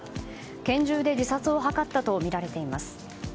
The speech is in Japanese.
拳銃で自殺を図ったとみられています。